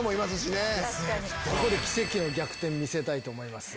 ここで奇跡の逆転見せたいと思いますよ。